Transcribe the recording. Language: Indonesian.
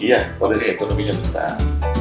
iya kondisi ekonominya besar